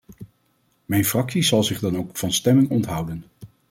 Mijn fractie zal zich dan ook van stemming onthouden.